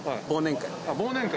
あ忘年会。